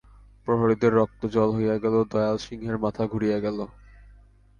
প্রহরীদের রক্ত জল হইয়া গেল, দয়াল সিংহের মাথা ঘুরিয়া গেল।